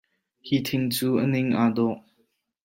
Hi thing cu a ning aa dawh.